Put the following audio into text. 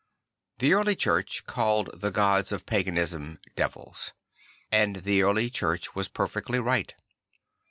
The Early Church called the gods of paganism devils; and the Early Church was perfectly right.